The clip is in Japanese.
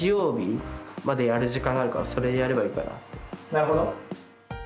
なるほど。